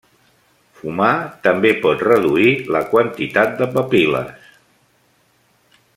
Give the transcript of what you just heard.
Fumar també pot reduir la quantitat de papil·les.